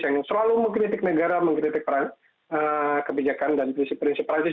yang selalu mengkritik negara mengkritik kebijakan dan prinsip prinsip perancis